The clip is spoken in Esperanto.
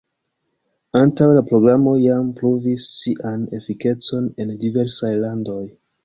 Antaŭe la Programo jam pruvis sian efikecon en diversaj landoj.